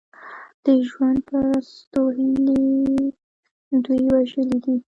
د ژوند پرستو هیلې دوی وژلي دي.